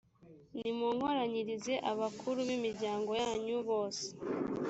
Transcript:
nimunkoranyirize abakuru b’imiryago yanyu bose,